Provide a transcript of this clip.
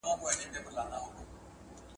که ګاز وي نو پخلی نه ځنډیږي.